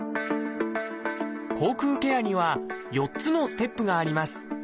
口腔ケアには４つのステップがあります。